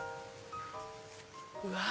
うわ！